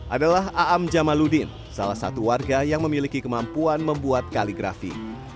adalah aam jamaludin salah satu warga yang memiliki kemampuan membuat kaligrafi